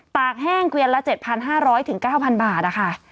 ตากแห้งเกวียนละ๗๕๐๐ถึง๙๐๐๐บาทค่ะ